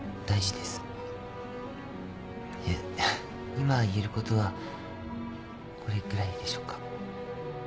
今言えることはこれぐらいでしょうか。